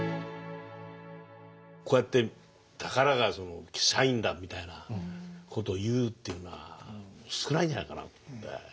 こうやって「宝が社員だ」みたいなことを言うっていうのは少ないんじゃないかなと思うんだよね。